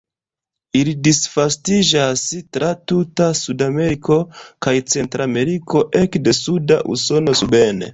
Ili disvastiĝas tra tuta Sudameriko kaj Centrameriko ekde suda Usono suben.